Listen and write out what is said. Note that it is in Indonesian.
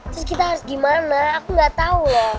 terus kita harus gimana aku gak tau loh